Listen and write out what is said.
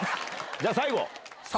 じゃあ最後。